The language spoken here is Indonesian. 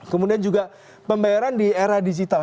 kemudian juga pembayaran di era digital